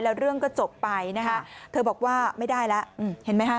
แล้วเรื่องก็จบไปนะคะเธอบอกว่าไม่ได้แล้วเห็นไหมฮะ